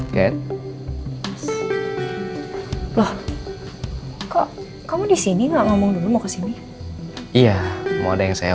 get loh kok kamu di sini nggak ngomong dulu kesini iya mau ada yang saya